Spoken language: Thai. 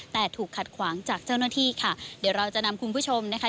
แต่ถูกขัดขวางจากเจ้าหน้าที่ค่ะเดี๋ยวเราจะนำคุณผู้ชมนะคะ